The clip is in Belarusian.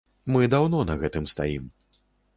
Мы даўно на гэтым стаім.